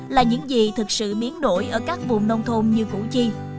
là những gì thực sự biến đổi ở các vùng nông thôn như củ chi